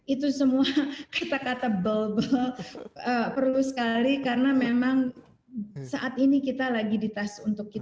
itu semua kata kata bulble perlu sekali karena memang saat ini kita lagi di tas untuk kita